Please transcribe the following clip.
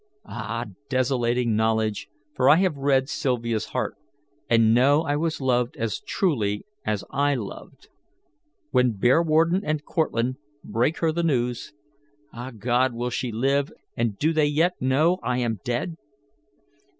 Ah, desolating knowledge! for I have read Sylvia's heart, and know I was loved as truly as I loved. When Bearwarden and Cortlandt break her the news ah, God! will she live, and do they yet know I am dead?"